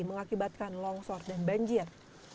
mengakibatkan longsor dan banjir